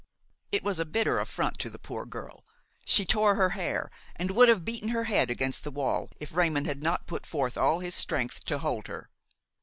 It was a bitter affront to the poor girl; she tore her hair, and would have beaten her head against the wall if Raymon had not put forth all his strength to hold her.